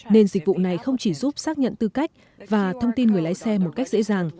nên dịch vụ này không chỉ giúp xác nhận tư cách và thông tin người lái xe một cách dễ dàng